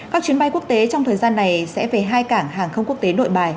các chuyến bay quốc tế trong thời gian này sẽ về hai cảng hàng không quốc tế nội bài